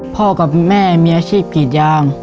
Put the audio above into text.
พ่อกับแม่มีอาชีพกรีดยาง